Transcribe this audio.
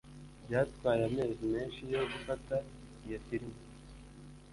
Byatwaye amezi menshi yo gufata iyo firime